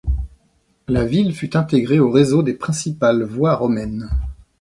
La ville fut intégrée au réseau des principales voies romaines.